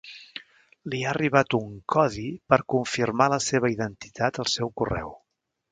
Li ha arribat un codi per confirmar la seva identitat al seu correu.